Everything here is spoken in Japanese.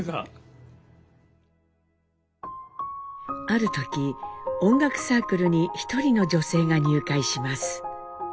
ある時音楽サークルに一人の女性が入会します。